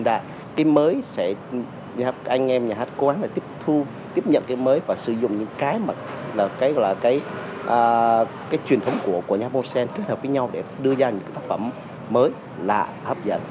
để đưa ra những tác phẩm mới là hấp dẫn